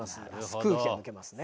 空気が抜けますね。